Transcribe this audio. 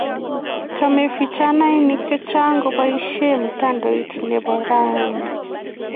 chome vijanaek chechang koboishen mtandaoo nebo rauni